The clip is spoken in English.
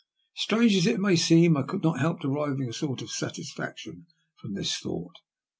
Strange as it may seem, I could not help deriving a sort of satisfaction from this thought.